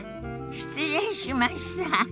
失礼しました。